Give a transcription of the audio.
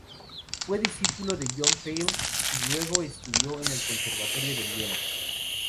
Fue discípulo de John Field y luego estudió en el Conservatorio de Viena.